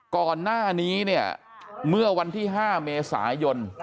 ก่อนหน้านี้เนี่ยเมื่อวันที่๕เมษายน